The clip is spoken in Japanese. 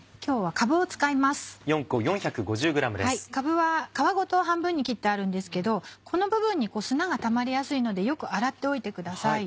かぶは皮ごと半分に切ってあるんですけどこの部分に砂がたまりやすいのでよく洗っておいてください。